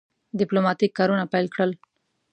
ډیپلوماټیک کارونه پیل کړل.